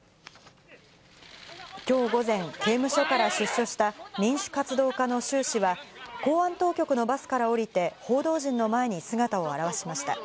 きょう午前、刑務所から出所した民主活動家の周氏は、公安当局のバスから降りて報道陣の前に姿を現しました。